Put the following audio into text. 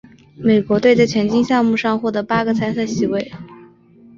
美国队在拳击项目上获得八个参赛席位。